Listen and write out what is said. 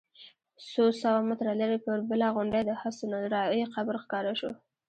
څو سوه متره لرې پر بله غونډۍ د حسن الراعي قبر ښکاره شو.